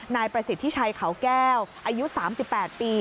นายประสิทธิชัยเขาแก้วอายุ๓๘ปี